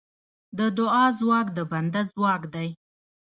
د دعا ځواک د بنده ځواک دی.